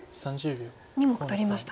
２目取りました